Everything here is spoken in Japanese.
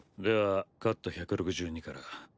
ではカット１６２から。